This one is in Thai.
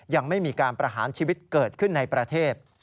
ยังไม่มีการประหารชีวิตเกิดขึ้นในประเทศ